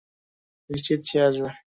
নিশ্চিত সে আসবে।